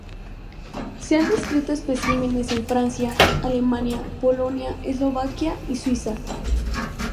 Se han descrito especímenes en Francia, Alemania, Polonia, Eslovaquia y Suiza.